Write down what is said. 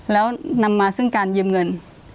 แล้วนำมาซึ่งการยืมเงิน